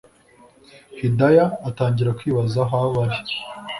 hidaya atangira kwibaza aho bari